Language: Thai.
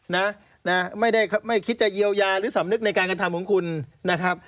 นะนะไม่ได้ไม่คิดจะเยียวยาหรือสำนึกในการกระทำของคุณนะครับ